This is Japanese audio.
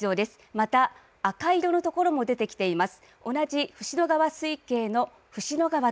また赤色の所も出てきています。